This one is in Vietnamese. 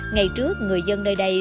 ngày trước người dân nơi đây